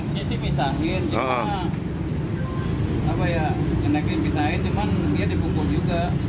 keneknya sih pisahin cuman dia dipukul juga